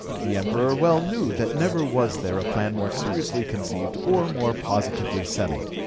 The Emperor well knew that never was there a plan more seriously conceived or more positively settled.